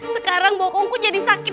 sekarang bokongku jadi sakit